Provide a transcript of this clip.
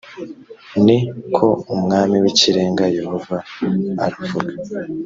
ni ko umwami w’ikirenga yehova aravuga